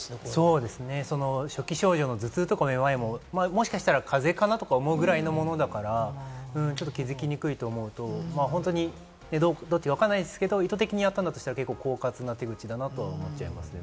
そうですね、初期症状の頭痛とか目まいも、もしかしたら風邪かなと思うくらいのものだから、気づきにくいと思うと本当に意図的にやったんだとしたら、狡猾な手口だなと思っちゃいますね。